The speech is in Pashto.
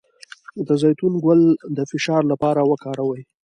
د زیتون ګل د فشار لپاره وکاروئ